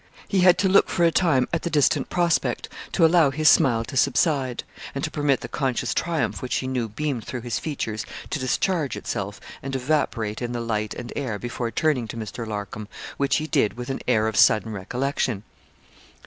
He had to look for a time at the distant prospect to allow his smile to subside, and to permit the conscious triumph which he knew beamed through his features to discharge itself and evaporate in the light and air before turning to Mr. Larcom, which he did with an air of sudden recollection.